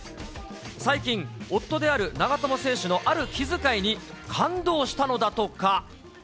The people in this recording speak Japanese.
最近、夫である長友選手のある気遣いに感動したのだとか。